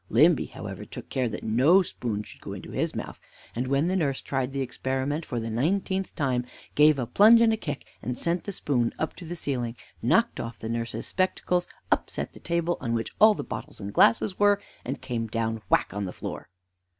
Limby, however, took care that no spoon should go into his mouth, and when the nurse tried the experiment for the nineteenth time, gave a plunge and a kick, and sent the spoon up to the ceiling, knocked off the nurse's spectacles, upset the table on which all the bottles and glasses were, and came down whack on the floor.